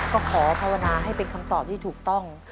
ก็ขอภาวนาให้เป็นคำตอบที่ถูกต้อง